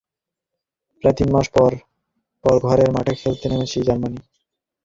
প্রায় তিন মাস পর পরশু ঘরের মাঠে খেলতে নেমেছিল জার্মানি।